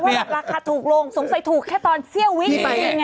ว่าราคาถูกลงสงสัยถูกแค่ตอนเซียววิจริง